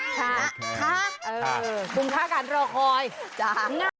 ค่ะคุณค่ะกันรอคอยจ้ะงั้น